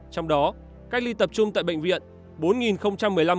trong đó cách ly tập trung tại bệnh viện bốn một mươi năm người cách ly tập trung tại cơ sở khác